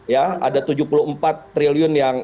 ya ada tujuh puluh empat triliun yang